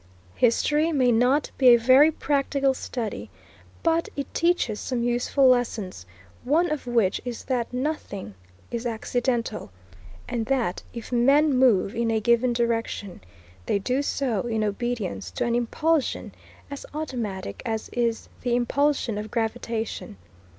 History may not be a very practical study, but it teaches some useful lessons, one of which is that nothing is accidental, and that if men move in a given direction, they do so in obedience to an impulsion as automatic as is the impulsion of gravitation.